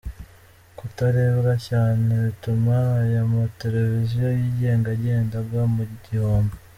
Kutarebwa cyane bituma aya mateleviziyo yigenga agenda agwa mu gihombo.